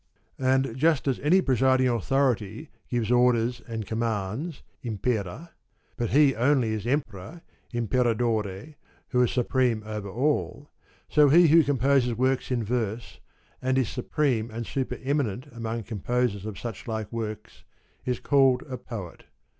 And just as every presiding 133 authority gives orders and commands \impera\y but he only is Emperor \lmperadore\ who is supreme over all, so he who composes works in verse, and is supreme and super eminent amongst composers of such like works, is called a Poet.